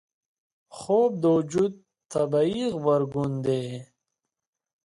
خوب د وجود طبیعي غبرګون دی